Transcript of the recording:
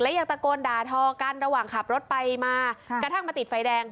ยังตะโกนด่าทอกันระหว่างขับรถไปมากระทั่งมาติดไฟแดง